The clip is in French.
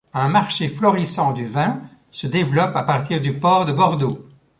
Un marché florissant du vin se développe à partir du port de Bordeaux.